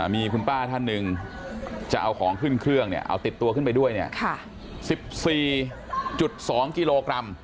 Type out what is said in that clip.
มีคุณป้าท่านหนึ่งจะเอาของขึ้นเครื่องเอาติดตัวขึ้นไปด้วย๑๔๒กิโลกรัม